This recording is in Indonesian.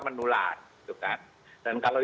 menular gitu kan dan kalau